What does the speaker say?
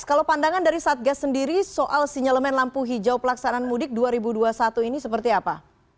kalau pandangan dari satgas sendiri soal sinyalemen lampu hijau pelaksanaan mudik dua ribu dua puluh satu ini seperti apa